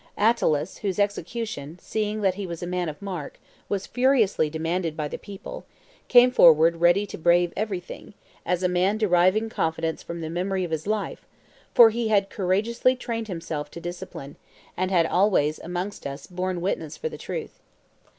... Attalus, whose execution, seeing that he was a man of mark, was furiously demanded by the people, came forward ready to brave everything, as a man deriving confidence from the memory of his life, for he had courageously trained himself to discipline, and had always amongst us borne witness for the truth.